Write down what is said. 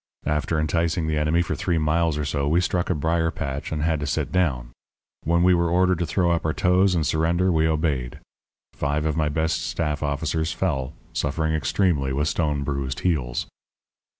After enticing the enemy for three miles or so we struck a brier patch and had to sit down. When we were ordered to throw up our toes and surrender we obeyed. Five of my best staff officers fell, suffering extremely with stone bruised heels.